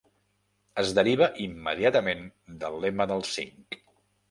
Es deriva immediatament del lema dels cinc.